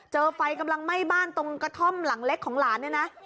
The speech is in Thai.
เจอไฟกำลังไหม้บ้านตรงกระท่อมหลังเล็กของหลานเนี่ยนะ